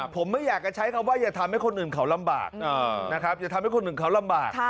ผมไม่ยังจะใช้คำว่าอย่าทำให้คนอื่นเขาลำบาก